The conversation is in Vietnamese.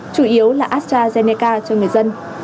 chủ yếu là astrazeneca cho người dân